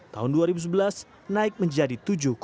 tahun dua ribu sebelas naik menjadi tujuh empat